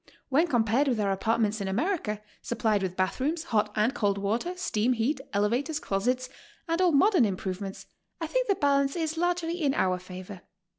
When compared w*ith our apartments in America, supplied with bath rooms, hot and cold water, steam heat, elevators, closets, and all modern (improvements, I think the balance is largely in our favor."